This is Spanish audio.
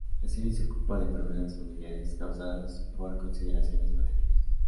La serie se ocupa de problemas familiares causados por consideraciones materiales.